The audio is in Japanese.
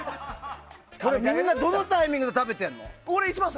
みんなどのタイミングで食べてるの？